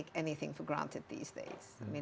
keuntungan yang lebih baik juga